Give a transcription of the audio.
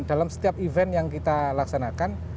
dalam setiap event yang kita laksanakan